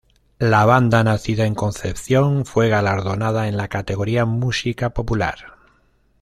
La banda nacida en Concepción fue galardonada en la categoría Música Popular.